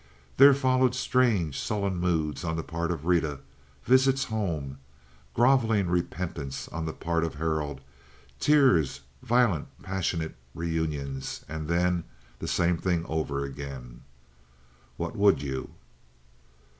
There followed strange, sullen moods on the part of Rita, visits home, groveling repentances on the part of Harold, tears, violent, passionate reunions, and then the same thing over again. What would you?